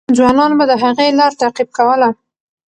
ځوانان به د هغې لار تعقیب کوله.